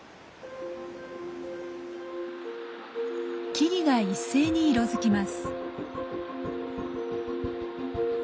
木々が一斉に色づきます。